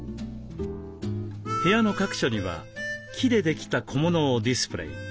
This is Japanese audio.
部屋の各所には木でできた小物をディスプレー。